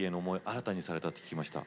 新たにされたって聞きました。